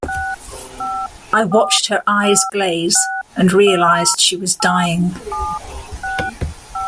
I watched her eyes glaze and realized she was dying.